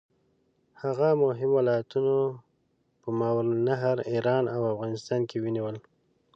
هغه مهم ولایتونه په ماوراالنهر، ایران او افغانستان کې ونیول.